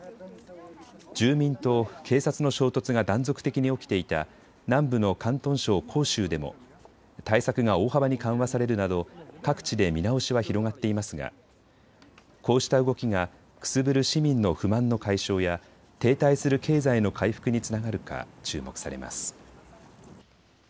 住民と警察の衝突が断続的に起きていた南部の広東省広州でも対策が大幅に緩和されるなど各地で見直しは広がっていますがこうした動きが、くすぶる市民の不満の解消や停滞する経済の回復につながるか注目されます。